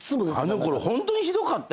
あのころホントにひどかった。